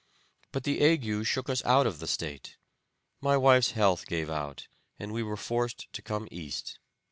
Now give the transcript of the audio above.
But the ague shook us out of the State. My wife's health gave out and we were forced to come East."